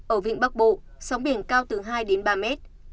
ở vịnh bắc bộ sóng biển cao từ hai đến ba mét